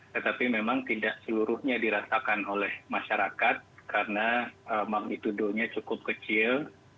tetapi memang tidak seluruhnya dirasakan oleh masyarakat karena magnitudonya cukup kecil